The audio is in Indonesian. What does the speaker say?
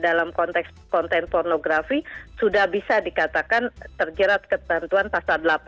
dalam konteks konten pornografi sudah bisa dikatakan terjerat ketentuan pasal delapan